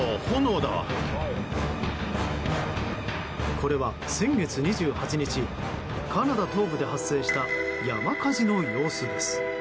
これは先月２８日カナダ東部で発生した山火事の様子です。